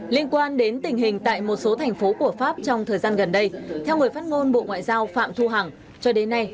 liên quan đến tình hình tại một số thành phố của pháp trong thời gian gần đây theo người phát ngôn bộ ngoại giao phạm thu hằng cho đến nay